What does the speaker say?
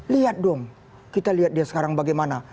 lihat dong kita lihat dia sekarang bagaimana